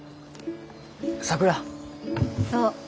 そう。